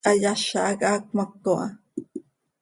Hayaza hac haa cmaco ha.